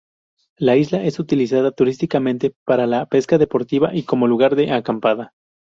La isla es utilizada turísticamente para la pesca deportiva y como lugar de acampada.